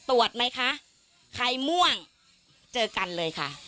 ตรวจไหมคะใครม่วงเจอกันเลยค่ะ